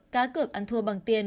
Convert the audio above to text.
cá cược ăn thua bằng tiền